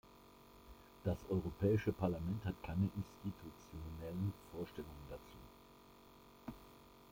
Das Europäische Parlament hat keine institutionellen Vorstellungen dazu.